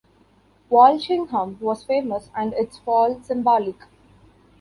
Walsingham was famous and its fall symbolic.